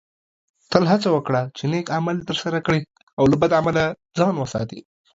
تل هڅه وکړه چې نیک عمل ترسره کړې او له بد عمله ځان وساتې